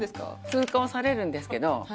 通過はされるんですけど。